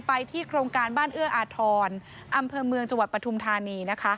ไปที่โครงการบ้านเอื้ออาทรอำเภอเมืองจังหวัดปฐุมธานีนะคะ